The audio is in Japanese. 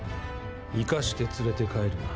生かして連れて帰るな。